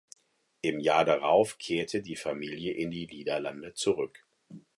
Im Jahr darauf kehrte die Familie in die Niederlande zurück.